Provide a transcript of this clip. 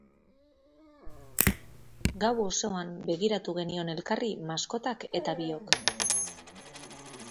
Gau osoan begiratu genion elkarri maskotak eta biok.